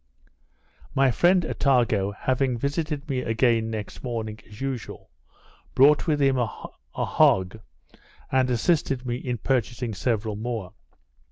My friend Attago having visited me again next morning, as usual, brought with him a hog, and assisted me in purchasing several more.